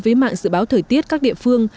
với mạng dự báo thời tiết các địa phương